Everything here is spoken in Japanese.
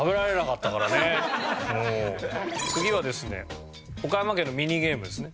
次はですね岡山県のミニゲームですね。